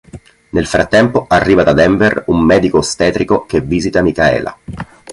Nel frattempo arriva da Denver un medico ostetrico che visita Michaela.